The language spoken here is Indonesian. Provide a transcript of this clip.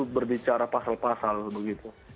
berbicara pasal pasal begitu